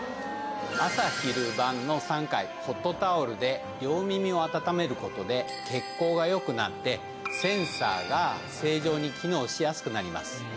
朝昼晩の３回、ホットタオルで両耳を温めることで、血行がよくなって、センサーが正常に機能しやすくなります。